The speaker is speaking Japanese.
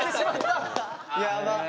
あやばい！